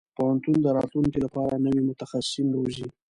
پوهنتون د راتلونکي لپاره نوي متخصصين روزي.